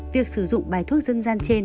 việc sử dụng bài thuốc dân gian trên